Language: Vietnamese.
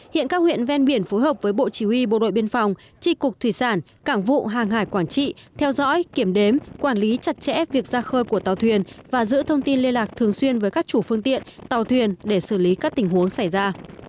hiện các huyện ven biển phối hợp với bộ chỉ huy bộ đội biên phòng tri cục thủy sản cảng vụ hàng hải quảng trị theo dõi kiểm đếm quản lý chặt chẽ việc ra khơi của tàu thuyền và giữ thông tin liên lạc thường xuyên với các chủ phương tiện tàu thuyền để xử lý các tình huống xảy ra